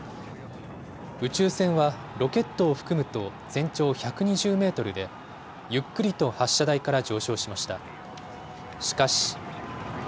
宇宙船はロケットを含むと全長１２０メートルで、ゆっくりと発射台から上昇しました。